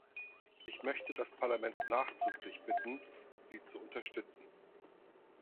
Ich möchte das Parlament nachdrücklich bitten, sie zu unterstützen.